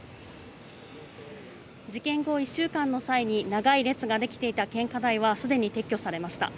事件後１週間の際に長い列ができていた献花台はすでに撤去されました。